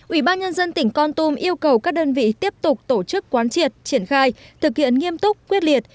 ubnd tỉnh con tôm yêu cầu các đơn vị tiếp tục tổ chức quán triệt triển khai thực hiện nghiêm túc quyết liệt